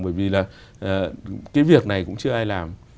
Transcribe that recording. bởi vì là cái việc này cũng chưa ai làm